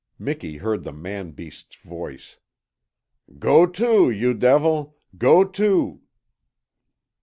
Miki heard the man beast's voice. "Go to, you devil! GO TO!"